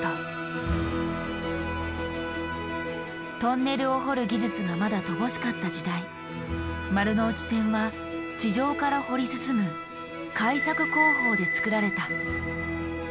トンネルを掘る技術がまだ乏しかった時代丸ノ内線は地上から掘り進む「開削工法」で作られた。